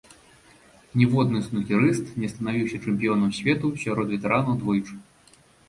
Ніводны снукерыст не станавіўся чэмпіёнам свету сярод ветэранаў двойчы.